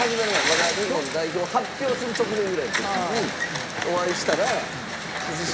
まだ日本代表発表する直前ぐらいの時にお会いしたら。